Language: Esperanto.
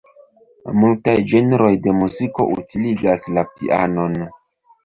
Multaj ĝenroj de muziko utiligas la pianon.